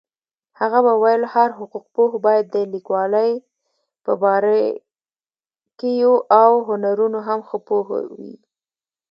هغە به ویل هر حقوقپوه باید د لیکوالۍ په باريكييواو هنرونو هم ښه پوهوي.